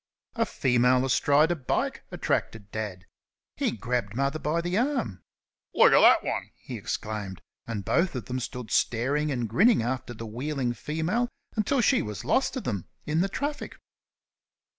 A female astride a bike attracted Dad; he grabbed Mother by the arm. "Look at thet 'un!" he exclaimed; and both of them stood staring and grinning after the wheeling female until she was lost to them in the traffic.